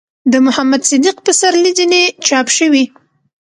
،د محمد صديق پسرلي ځينې چاپ شوي